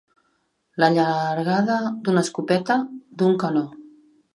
L'allargada d'una escopeta, d'un canó.